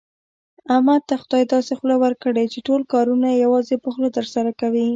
احمد ته خدای داسې خوله ورکړې، چې ټول کارونه یوازې په خوله ترسره کوي.